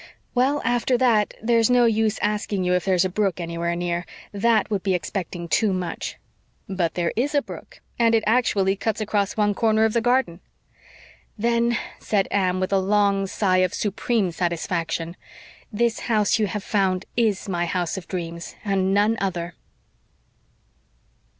Well, after that, there's no use asking you if there's a brook anywhere near. THAT would be expecting too much." "But there IS a brook and it actually cuts across one corner of the garden." "Then," said Anne, with a long sigh of supreme satisfaction, "this house you have found IS my house of dreams and none other."